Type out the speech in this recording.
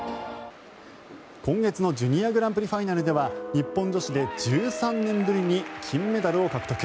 今月のジュニアグランプリファイナルでは日本女子で１３年ぶりに金メダルを獲得。